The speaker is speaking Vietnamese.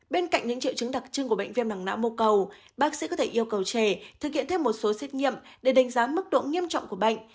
bên cạnh những triệu chứng đặc trưng của bệnh viêm mạng não mô cầu bác sĩ có thể yêu cầu trẻ thực hiện thêm một số xét nghiệm để đánh giá mức độ nghiêm trọng của bệnh